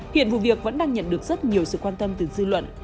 hiện vụ việc vẫn đang nhận được rất nhiều sự quan tâm từ dư luận